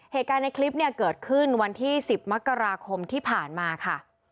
เหตุการณ์ในคลิปเนี่ยเกิดขึ้นวันที่๑๐มกราคมที่ผ่านมาค่ะ